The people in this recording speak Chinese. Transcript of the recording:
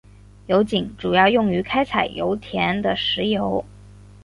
油井主要用于开采油田的石油。